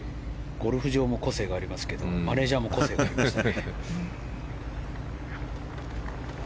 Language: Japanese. ゴルフ場も個性がありますけどマネジャーも個性がありますね。